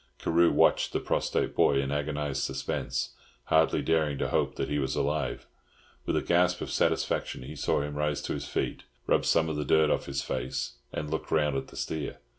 Carew watched the prostrate boy in agonised suspense, hardly daring to hope that he was alive. With a gasp of satisfaction he saw him rise to his feet, rub some of the dirt off his face, and look round at the steer.